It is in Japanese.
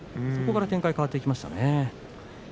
そこから展開は変わっていきましたね。